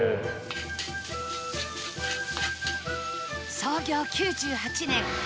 創業９８年